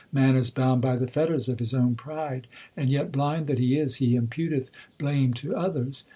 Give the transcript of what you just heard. Man is bound by the fetters of his own pride, And yet, blind that he is, he imputeth blame to others.